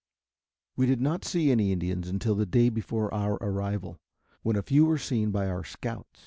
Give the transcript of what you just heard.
We did not see any Indians until the day before our arrival when a few were seen by our scouts.